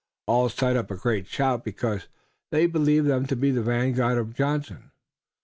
All set up a great shout, because they believed them to be the vanguard of Johnson.